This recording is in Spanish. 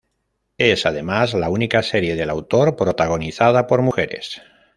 Es además la única serie del autor protagonizada por mujeres.